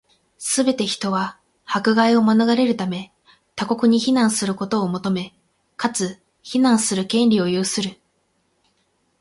すべて人は、迫害を免れるため、他国に避難することを求め、かつ、避難する権利を有する。